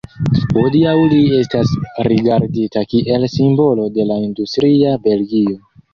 Hodiaŭ li estas rigardita kiel simbolo de la industria Belgio.